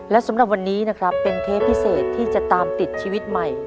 และสำหรับวันนี้นะครับเป็นเทปพิเศษที่จะตามติดชีวิตใหม่